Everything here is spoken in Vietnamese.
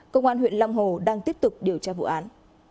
công an huyện long hồ đang tiếp tục điều tra vụ án